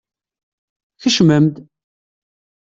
Kecmem-d!